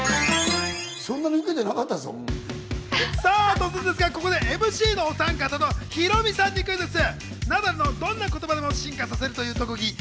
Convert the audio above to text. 突然ですが、ここでＭＣのお三方のヒロミさんにクイズッス！